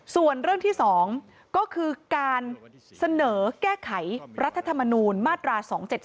ส่วนเรื่องที่๒ก็คือการเสนอแก้ไขรัฐธรรมนูญมาตรา๒๗๒